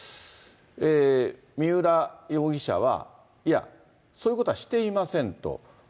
三浦容疑者は、いや、そういうことはしていませんと。